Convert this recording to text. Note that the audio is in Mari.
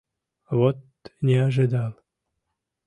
Вот не ожидал.